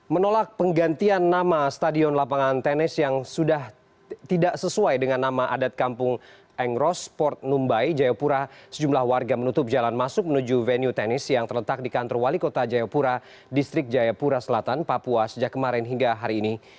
menolak penggantian nama stadion lapangan tenis yang sudah tidak sesuai dengan nama adat kampung engros port numbai jayapura sejumlah warga menutup jalan masuk menuju venue tenis yang terletak di kantor wali kota jayapura distrik jayapura selatan papua sejak kemarin hingga hari ini